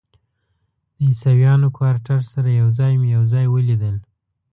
د عیسویانو کوارټر سره یو ځای مې یو ځای ولیدل.